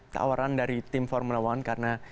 tawaran dari tim formula one karena